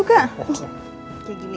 yaudah sekarang bobo ya